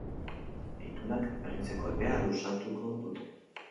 Itunak berritzeko epea luzatuko dute.